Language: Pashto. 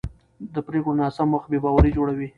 د پرېکړو ناسم وخت بې باوري جوړوي